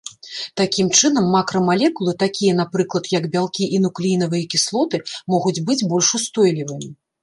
Такім чынам, макрамалекулы, такія, напрыклад, як бялкі і нуклеінавыя кіслоты, могуць быць больш устойлівымі.